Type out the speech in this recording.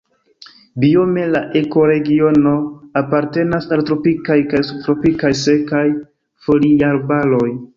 Biome la ekoregiono apartenas al tropikaj kaj subtropikaj sekaj foliarbaroj.